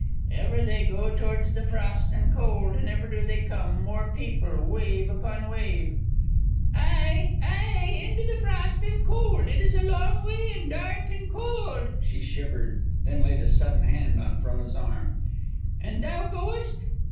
"Ever they go towards the frost and cold; and ever do they come, more people, wave upon wave!" "Ai! Ai! Into the frost and cold! It is a long way, and dark and cold!" She shivered, then laid a sudden hand on Frona's arm. "And thou goest?"